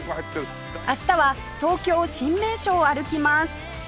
明日は東京新名所を歩きます